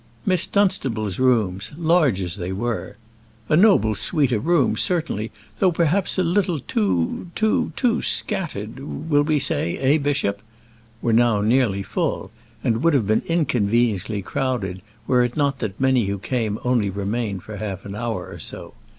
Miss Dunstable's rooms, large as they were "a noble suite of rooms certainly, though perhaps a little too too too scattered, we will say, eh, bishop?" were now nearly full, and would have been inconveniently crowded, were it not that many who came only remained for half an hour or so.